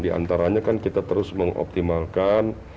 di antaranya kan kita terus mengoptimalkan